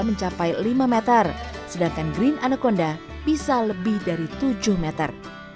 mencapai lima meter sedangkan green anaconda bisa lebih dari tujuh meter